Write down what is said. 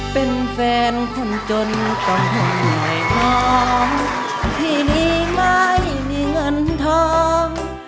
เป็นคนให้พร้อมที่นี้ไม่มีเงินทอง